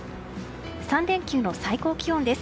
３連休の最高気温です。